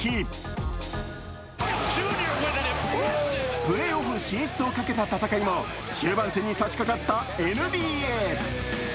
プレーオフ進出をかけた戦いも中盤戦に差しかかったＮＢＡ。